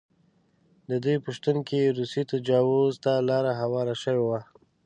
د دوی په شتون کې روسي تجاوز ته لاره هواره شوې وه.